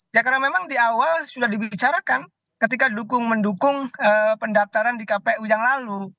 ya karena memang di awal sudah dibicarakan ketika dukung mendukung pendaftaran di kpu yang lalu